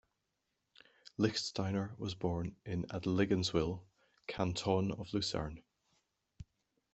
Lichtsteiner was born in Adligenswil, Canton of Lucerne.